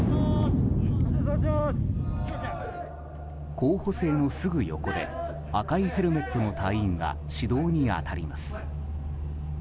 候補生のすぐ横で赤いヘルメットの隊員が指導に当たります。